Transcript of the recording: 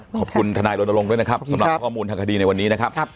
ทนายรณรงค์ด้วยนะครับสำหรับข้อมูลทางคดีในวันนี้นะครับ